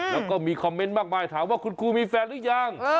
แล้วก็มีคอมเมนต์มากมายถามว่าคุณครูมีแฟนหรือยัง